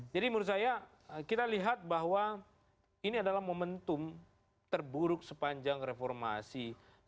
jadi menurut saya kita lihat bahwa ini adalah momentum terburuk sepanjang reformasi sembilan puluh delapan